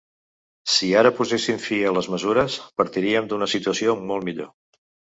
Si ara poséssim fi a les mesures, partiríem d’una situació molt millor.